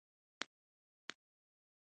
زړه مې تنګ دى.